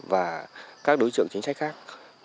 và các đối tượng chính sách khác